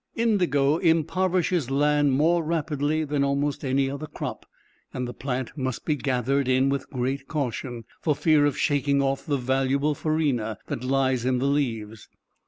Indigo impoverishes land more rapidly than almost any other crop, and the plant must be gathered in with great caution, for fear of shaking off the valuable farina that lies in the leaves.